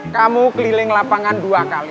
kamu keliling lapangan dua kali